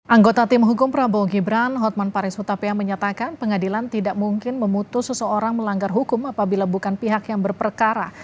anggota tim hukum prabowo gibran hotman paris utapia menyatakan pengadilan tidak mungkin memutus seseorang melanggar hukum apabila bukan pihak yang berperkara